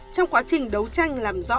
trong quá trình đấu tranh lãnh đạo